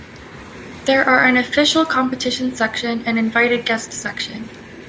There are an official competition section and invited guest section.